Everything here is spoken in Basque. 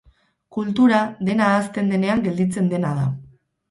Kultura, dena ahazten denean gelditzen dena da